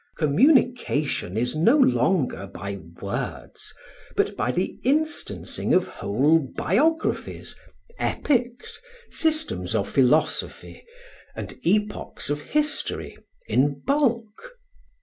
Communication is no longer by words, but by the instancing of whole biographies, epics, systems of philosophy, and epochs of history, in bulk.